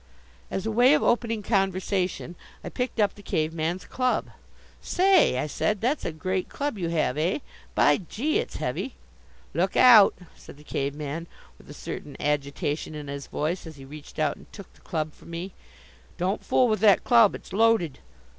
As a way of opening conversation I picked up the Cave man's club. "Say," I said, "that's a great club you have, eh? By gee! it's heavy!" "Look out!" said the Cave man with a certain agitation in his voice as he reached out and took the club from me. "Don't fool with that club! It's loaded!